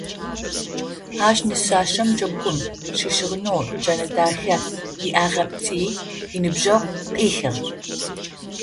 Ащ нысащэм джэгум щыщыгъынэу джэнэ дахэ иӏагъэпти, иныбджэгъу къыӏихыгъ.